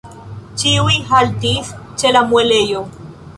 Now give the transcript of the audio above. Ĉiuj haltis ĉe la muelejo.